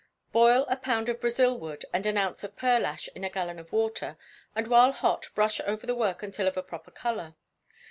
Boil a pound of Brazil wood and an ounce of pearlash in a gallon of water, and while hot brush over the work until of a proper colour.